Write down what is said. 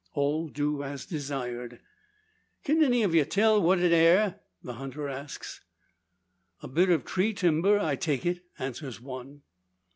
All do as desired. "Kin any o' ye tell what it air?" the hunter asks. "A bit of tree timber, I take it," answers one.